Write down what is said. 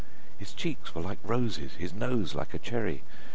His cheeks were like roses, his nose like a cherry!